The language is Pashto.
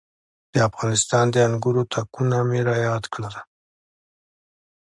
د افغانستان د انګورو تاکونه مې را یاد کړل.